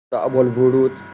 صعب الورود